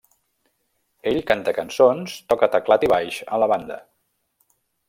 Ell canta cançons, toca teclat i baix a la banda.